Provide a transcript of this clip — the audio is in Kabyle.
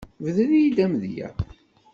Bder-iyi-d amedya.